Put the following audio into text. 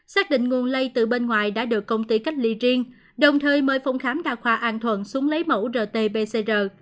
xác định nguồn lây từ bên ngoài đã được công ty cách ly riêng đồng thời mời phòng khám đa khoa an thuận xuống lấy mẫu rt pcr